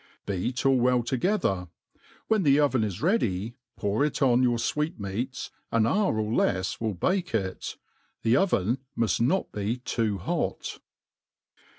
Beat all well toge* ther; when the oven is ready, pour it on your fweet meats^ An hour or lefs will bake it* The oven muft not be too hot.